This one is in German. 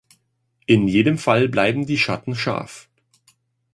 In jedem Fall bleiben die Schatten scharf.